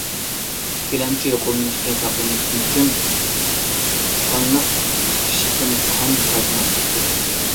ئىككىلەمچى يۇقۇملىنىشتىن ساقلىنىشتىن ئۈچۈن، قانلىق ئىششىقتىن قان تارتماسلىق كېرەك.